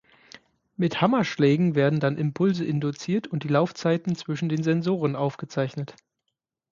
Mit Hammerschlägen werden dann Impulse induziert und die Laufzeiten zwischen den Sensoren aufgezeichnet.